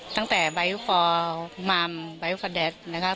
ตั้งแต่ไบล์ฟอร์มาร์มไบล์ฟอร์เด็ดนะครับ